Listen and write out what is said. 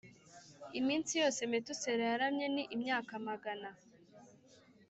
Iminsi yose Metusela yaramye ni imyaka magana